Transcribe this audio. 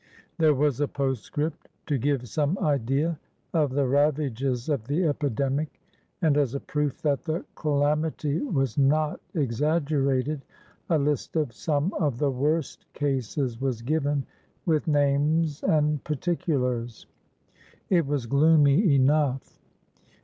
There was a postscript. To give some idea of the ravages of the epidemic, and as a proof that the calamity was not exaggerated, a list of some of the worst cases was given, with names and particulars. It was gloomy enough.